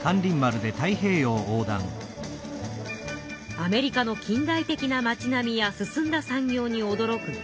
アメリカの近代的な町なみや進んだ産業に驚く勝。